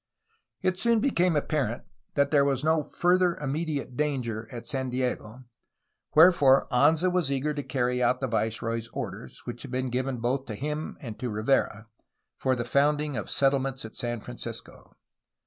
It soon became apparent that there was no further imme diate danger at San Diego, wherefore Anza was eager to carry out the viceroy's orders, which had been given both to him and to Rivera, for the founding of settlements at San Francisco.